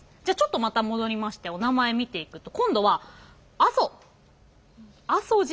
じゃあちょっとまた戻りましておなまえ見ていくと今度は阿蘇。